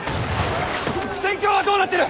戦況はどうなっている？